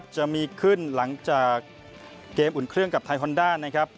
จะมีขึ้นหลังจากเกมอุ่นเครื่องกับไทยฮอนด้านะครับ